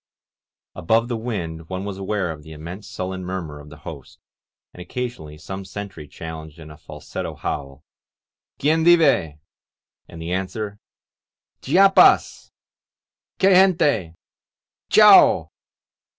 Above the wind one was aware of the immense sullen murmur of the host, and occasionally some sentry challenged in a falsetto howl: Quien vivef* And the answer: ''Chiapas r ''Que gentef" "Chaor